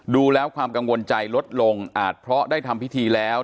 ดูแล้วความกังวลใจลดลงอาจเพราะได้ทำพิธีแล้ว